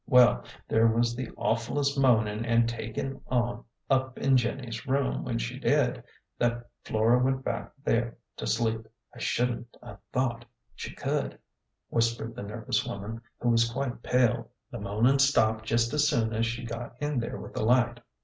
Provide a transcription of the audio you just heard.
Well, there was the awfulest moanin' an' takin' on up in Jenny's room, when she did, that Flora went back there to sleep." " I shouldn't thought she could," whispered the nervous woman, who was quite pale. "The moanin' stopped jest as soon as she got in there A GENTLE GHOST. with a light.